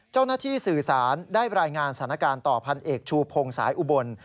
สื่อสารได้รายงานสถานการณ์ต่อพันเอกชูพงศ์สายอุบล